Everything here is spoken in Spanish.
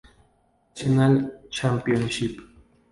National Championship".